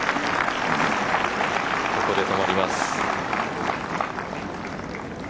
ここで止まります。